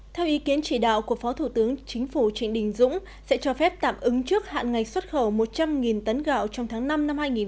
theo ý kiến chỉ đạo của phó thủ tướng chính phủ trịnh đình dũng sẽ cho phép tạm ứng trước hạn ngạch xuất khẩu một trăm linh tấn gạo trong tháng năm năm hai nghìn hai mươi